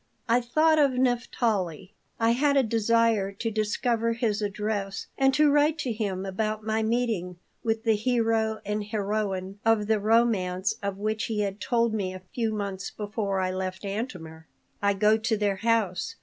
I thought of Naphtali. I had a desire to discover his address and to write him about my meeting with the hero and heroine of the romance of which he had told me a few months before I left Antomir. "I go to their house.